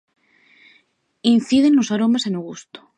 Inciden nos aromas e no gusto.